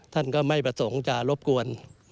ท่านก็ไม่ประสงค์จะรบกวน